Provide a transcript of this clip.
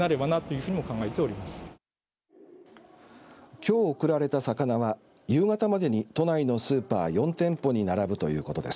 きょう送られた魚は夕方までに都内のスーパー４店舗に並ぶということです。